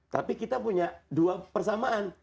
tapi kita punya dua persamaan